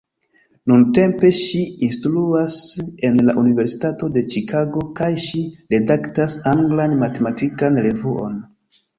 Nuntempe ŝi instruas en la Universitato de Ĉikago kaj ŝi redaktas anglan matematikan revuon.